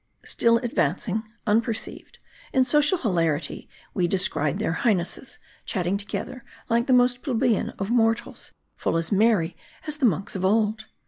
Still advancing unperceived, in social hilarity we descried their Highnesses, chatting together like the most plebeian of mortals ; full as merry as the monks of old.